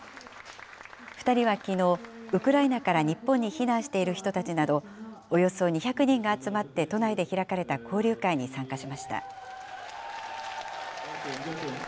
２人はきのう、ウクライナから日本に避難している人たちなど、およそ２００人が集まって都内で開かれた交流会に参加しました。